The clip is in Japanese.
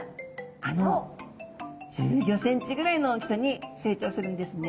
あの１５ｃｍぐらいの大きさに成長するんですね。